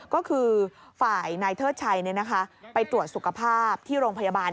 ก็คือฝ่ายนายเทิดชัยไปตรวจสุขภาพที่โรงพยาบาล